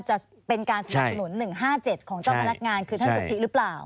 จะเป็นการสนับสนุน๑๕๗ของเจ้าพนักงานคือท่านสุธิหรือเปล่า